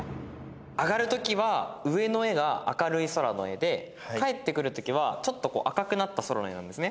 上がるときは上の絵が明るい空の絵で帰ってくるときはちょっと赤くなった空の絵なんですね。